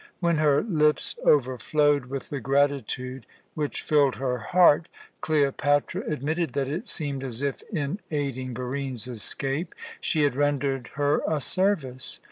When her lips overflowed with the gratitude which filled her heart, Cleopatra admitted that it seemed as if, in aiding Barine's escape, she had rendered her a service.